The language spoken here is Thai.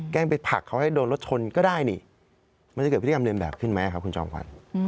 ไปผลักเขาให้โดนรถชนก็ได้นี่มันจะเกิดพฤติกรรมเรียนแบบขึ้นไหมครับคุณจอมขวัญ